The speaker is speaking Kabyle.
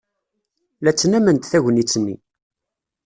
La ttnament tagnit-nni.